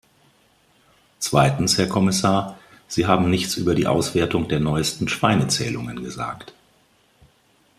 Zweitens, Herr Kommissar, Sie haben nichts über die Auswertung der neuesten Schweinezählungen gesagt.